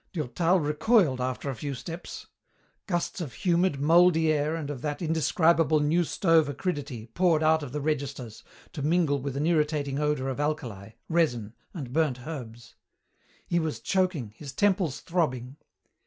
Durtal recoiled after a few steps. Gusts of humid, mouldy air and of that indescribable new stove acridity poured out of the registers to mingle with an irritating odour of alkali, resin, and burnt herbs. He was choking, his temples throbbing.